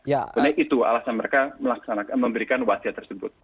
dan itu alasan mereka memberikan wasiat tersebut